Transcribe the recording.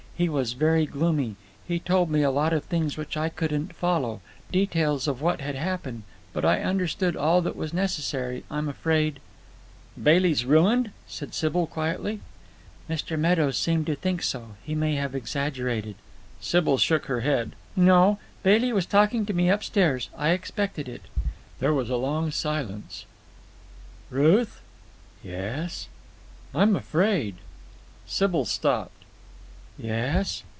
He was very gloomy. He told me a lot of things which I couldn't follow, details of what had happened, but I understood all that was necessary, I'm afraid——" "Bailey's ruined?" said Sybil quietly. "Mr. Meadows seemed to think so. He may have exaggerated." Sybil shook her head. "No. Bailey was talking to me upstairs. I expected it." There was a long silence. "Ruth." "Yes?" "I'm afraid—" Sybil stopped. "Yes?"